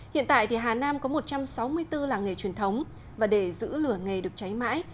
hiện tại thì hà nam có một trăm sáu mươi bốn làng nghề truyền thống và để giữ lửa nghề được cháy mãi